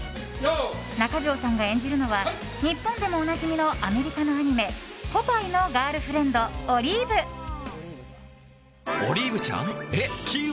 中条さんが演じるのは日本でもおなじみのアメリカのアニメ「ポパイ」のガールフレンドオリーブちゃん。